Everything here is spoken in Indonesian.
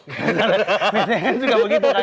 misalnya juga begitu kan